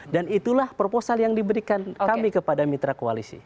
dan itulah proposal yang diberikan kami kepada mitra koalisi